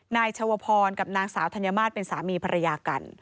นายชวพรกับนางสาวธัญมาตรเป็นสามีภรรยากัน